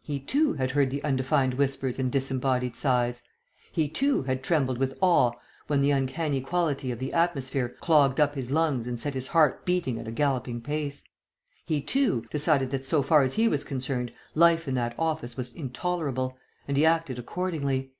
He, too, had heard the undefined whispers and disembodied sighs; he, too, had trembled with awe when the uncanny quality of the atmosphere clogged up his lungs and set his heart beating at a galloping pace; he, too, decided that so far as he was concerned life in that office was intolerable, and he acted accordingly.